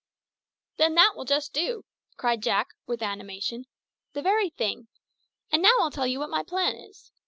"Then, that will just do," cried Jack, with animation. "The very thing. And now I'll tell you what my plan is.